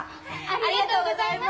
ありがとうございます！